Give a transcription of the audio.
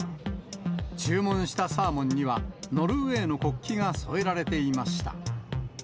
注文したサーモンには、ノルウェーの国旗が添えられていました。